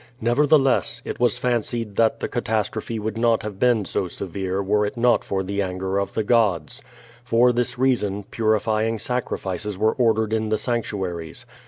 Nevertheless, it was fancied that the catastrophe would not have been so severe were it not for the anger of the gods. For this reason, purifying sacri fices were ordered in the sanctuaries.